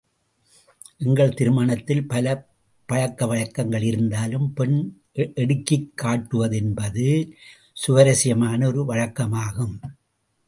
எங்கள் திருமணத்தில் பல பழக்க வழக்கங்கள் இருந்தாலும் பெண் எடுக்கிக் காட்டுவது என்பது சுவாரஸ்யமான ஒரு வழக்கமாகும்.